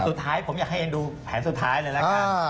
สุดท้ายผมอยากให้เอ็นดูแผนสุดท้ายเลยละกัน